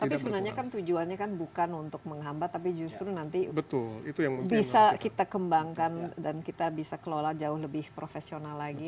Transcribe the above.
tapi sebenarnya kan tujuannya kan bukan untuk menghambat tapi justru nanti bisa kita kembangkan dan kita bisa kelola jauh lebih profesional lagi